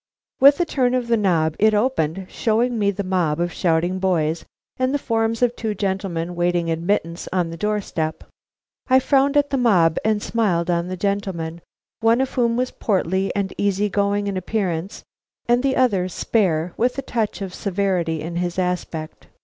With a turn of the knob it opened, showing me the mob of shouting boys and the forms of two gentlemen awaiting admittance on the door step. I frowned at the mob and smiled on the gentlemen, one of whom was portly and easy going in appearance, and the other spare, with a touch of severity in his aspect.